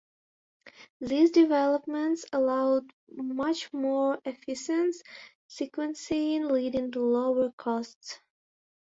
These developments allowed much more efficient sequencing, leading to lower costs.